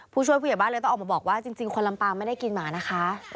ผู้ช่วยผู้ใหญ่บ้านเลยต้องออกมาบอกว่าจริงคนลำปางไม่ได้กินหมานะคะ